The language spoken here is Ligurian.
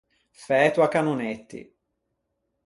Fæto à cannonetti.